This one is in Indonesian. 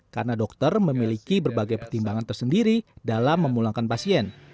karena dokter memiliki berbagai pertimbangan tersendiri dalam memulangkan pasien